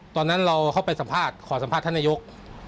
ตอนนั้นเราเข้าไปสัมภาษณ์ขอสัมภาษณ์ท่านนายก